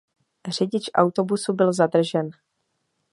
Řidič autobusu byl zadržen.